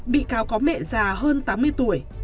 bị cáo có mẹ già hơn tám mươi tuổi